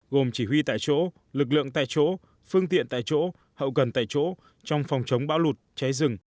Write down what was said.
gồm chỉ huy tại chỗ lực lượng tại chỗ phương tiện tại chỗ hậu cần tại chỗ trong phòng chống bão lụt cháy rừng